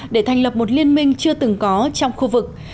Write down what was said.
để thành lập một liên minh chưa từng có trong khu vực